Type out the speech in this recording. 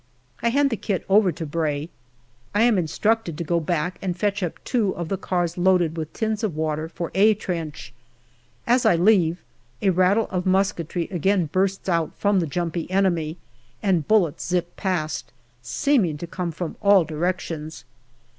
I hand the kit over to Bray. I am instructed to go back and fetch up two of the cars loaded with tins of water from " A " trench. As I leave, a rattle of musketry again bursts out from the jumpy enemy, and bullets zip past, seeming to come from all directions.